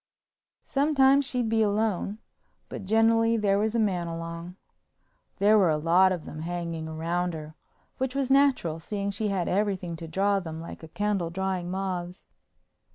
Sometimes she'd be alone but generally there was a man along. There were a lot of them hanging round her, which was natural, seeing she had everything to draw them like a candle drawing moths.